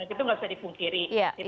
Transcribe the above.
itu tidak bisa dipungkiri